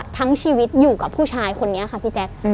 ทั้งชีวิตอยู่กับผู้ชายคนนี้ค่ะพี่แจ๊ค